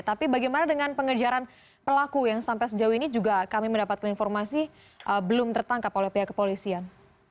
tapi bagaimana dengan pengejaran pelaku yang sampai sejauh ini juga kami mendapatkan informasi belum tertangkap oleh pihak kepolisian